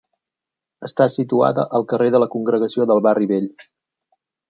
Està situada al carrer de la Congregació del barri vell.